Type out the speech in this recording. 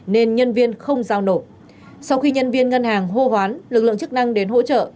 nên nhân viên không giao nổ sau khi nhân viên ngân hàng hô hoán lực lượng chức năng đến hỗ trợ